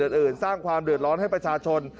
อื่นสร้างความเดือดร้อนให้ประชาชน